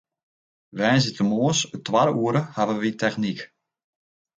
Woansdeitemoarns it twadde oere hawwe wy technyk.